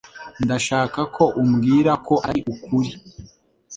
Ndashaka ko umbwira ko atari ukuri.